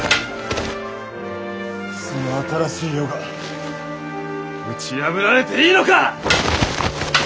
その新しい世が打ち破られていいのか！